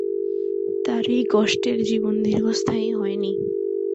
তাঁর এই কষ্টের জীবন দীর্ঘস্থায়ী হয় নি।